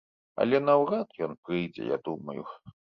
Але наўрад ён прыйдзе, я думаю.